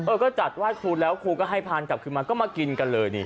ก็จัดไหว้ครูแล้วครูก็ให้พานกลับขึ้นมาก็มากินกันเลยนี่